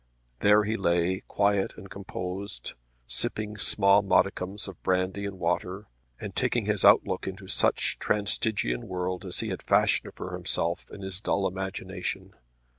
There he lay quiet and composed, sipping small modicums of brandy and water, and taking his outlook into such transtygian world as he had fashioned for himself in his dull imagination.